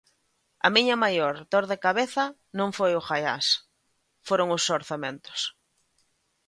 A miña maior dor de cabeza non foi o Gaiás, foron os orzamentos.